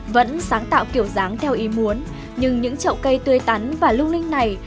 vẫn sáng tạo kiểu dáng theo ý muốn nhưng những trậu cây tươi tắn và lung linh này